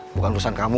bukan urusan kamu